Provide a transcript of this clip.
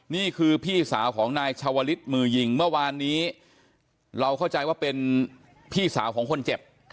นี่คือพี่สาวของนายชาวลิศมือยิงเมื่อวานนี้เราเข้าใจว่าเป็นพี่สาวของคนเจ็บ